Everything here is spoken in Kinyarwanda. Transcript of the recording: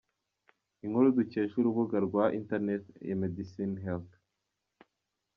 Inkuru dukesha urubuga rwa internet emedicinehealth.